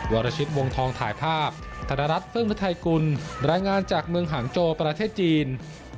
วรชิตวงทองถ่ายภาพธนรัฐฟึ่งฤทัยกุลรายงานจากเมืองหางโจประเทศจีน